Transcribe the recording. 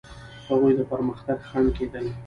هغوی د پرمختګ خنډ کېدل.